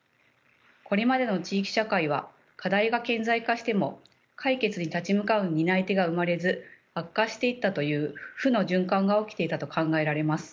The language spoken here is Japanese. これまでの地域社会は課題が顕在化しても解決に立ち向かう担い手が生まれず悪化していったという負の循環が起きていたと考えられます。